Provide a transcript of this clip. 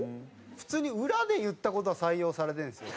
普通に裏で言った事は採用されてるんですよ。